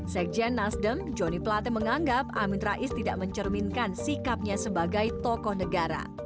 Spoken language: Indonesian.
sekjen nasdem joni plate menganggap amin rais tidak mencerminkan sikapnya sebagai tokoh negara